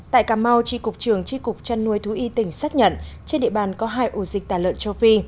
tại cà mau tri cục trường tri cục trăn nuôi thú y tỉnh xác nhận trên địa bàn có hai ổ dịch tả lợn châu phi